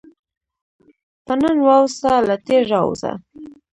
په نن واوسه، له تېر راووځه.